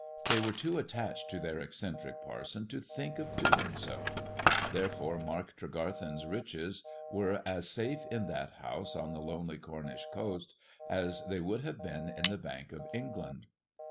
They were too attached to their eccentric parson to think of doing so ; therefore Mark Tregarthen's riches were as safe in that house on the lonely Cornish coast as they would have been in the Bank of England.